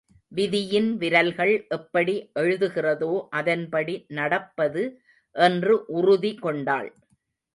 விதியின் விரல்கள் எப்படி எழுதுகிறதோ அதன்படி நடப்பது என்று உறுதி கொண்டாள்.